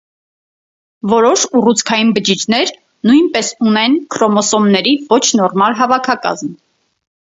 Որոշ ուռուցքային բջիջներ նույնպես ունեն քրոմոսոմների ոչ նորմալ հավաքակազմ։